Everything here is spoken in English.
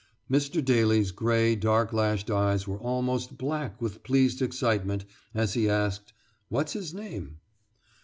Mr. Daly's gray, dark lashed eyes were almost black with pleased excitement as he asked: "What's his name?"